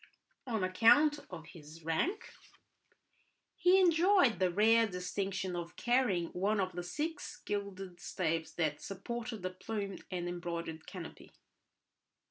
On account of his rank he enjoyed the rare distinction of carrying one of the six gilded staves that supported the plumed and embroidered canopy.